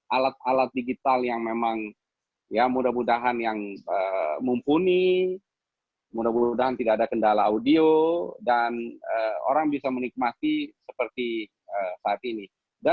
alat alat digital yang memang ya mudah mudahan yang mumpuni mudah mudahan tidak ada kendala audio dan orang bisa menikmati seperti saat ini